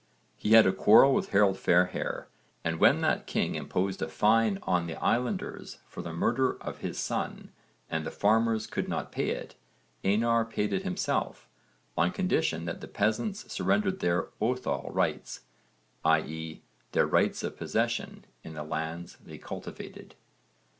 He had a quarrel with Harold Fairhair and when that king imposed a fine on the islanders for the murder of his son and the farmers could not pay it, Einar paid it himself on condition that the peasants surrendered their óðal rights, i.e. their rights of possession in the lands they cultivated.